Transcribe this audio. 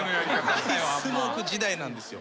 大スモーク時代なんですよ。